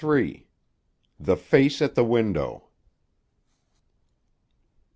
THE FACE AT THE WINDOW.